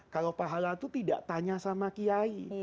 kalau pahala itu tidak tanya sama kiai